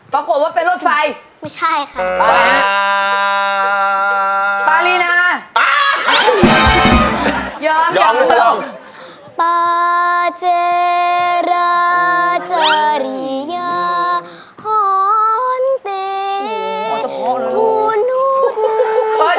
ปรากฏว่าเป็นรถไฟไม่ใช่ค่ะปลาลีนายอมปลาเจราจริยาฮอร์นเตคุนุน